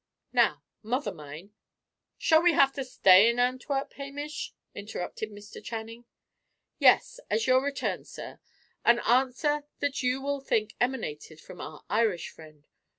Now, mother mine " "Shall we have to stay in Antwerp, Hamish?" interrupted Mr. Channing. "Yes, as you return, sir; an answer that you will think emanated from our Irish friend.